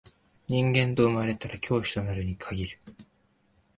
人間と生まれたら教師となるに限る